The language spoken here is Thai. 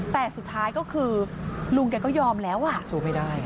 แต่สุดท้ายก็คือลุงแกก็ยอมแล้วอ่ะสู้ไม่ได้